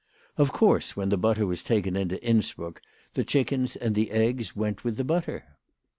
Of course when the butter was taken into Innsbruck, the chickens and the eggs went with the butter.